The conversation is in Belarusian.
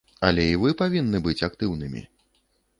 Але і вы павінны быць актыўнымі.